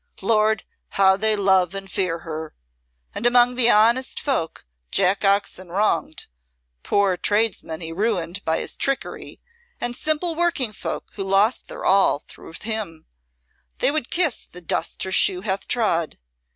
Lord, how they love and fear her! And among the honest folk Jack Oxon wronged poor tradesmen he ruined by his trickery, and simple working folk who lost their all through him they would kiss the dust her shoe hath trod.